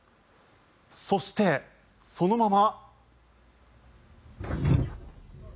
そしてそのまま。